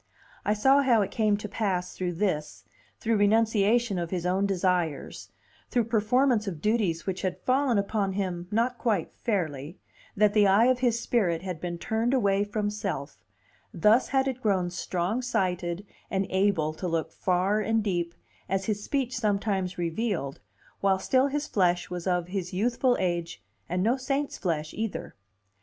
I saw how it came to pass through this, through renunciation of his own desires, through performance of duties which had fallen upon him not quite fairly, that the eye of his spirit had been turned away from self; thus had it grown strong sighted and able to look far and deep, as his speech sometimes revealed, while still his flesh was of his youthful age, and no saint's flesh either.